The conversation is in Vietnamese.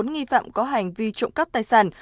bốn nghi phạm có hành vi trộm cắp tài sản